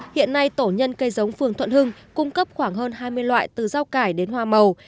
hiện nay tổ nhân cây giống phường thuận hưng cung cấp khoảng hơn hai mươi loại từ rau cải đến hoa màu